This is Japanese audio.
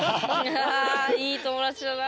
いい友達だな。